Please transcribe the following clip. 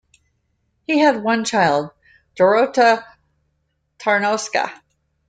He had one child, Dorota Tarnowska.